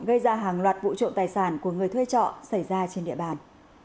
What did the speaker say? gây ra hàng loạt vụ trộm tài sản của người thuê trọ xảy ra trên địa bàn